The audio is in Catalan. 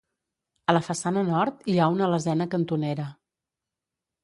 A la façana nord hi ha una lesena cantonera.